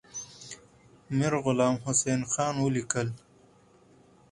میرغلام حسین خان ولیکل.